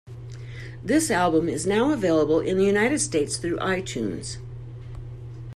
This album is now available in the United States through iTunes.